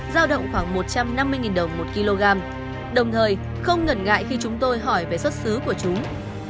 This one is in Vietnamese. giao động khoảng một trăm năm mươi đồng một kg đồng thời không ngẩn ngại khi chúng tôi hỏi về xuất xứ của chúng